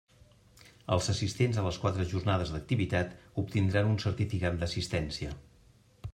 Els assistents a les quatre jornades d'activitat obtindran un certificat d'assistència.